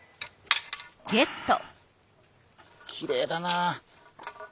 きれいだなあ。